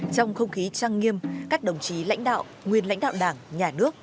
trong không khí trăng nghiêm các đồng chí lãnh đạo nguyên lãnh đạo đảng nhà nước